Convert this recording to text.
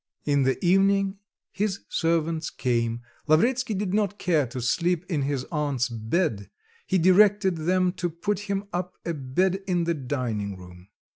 In the evening his servants came; Lavretsky did not care to sleep in his aunt's bed; he directed them put him up a bed in the dining room.